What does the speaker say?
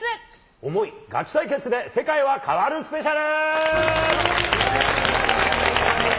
想いガチ対決で世界が変わるスペシャル。